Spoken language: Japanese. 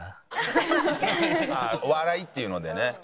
お笑いっていうのでね。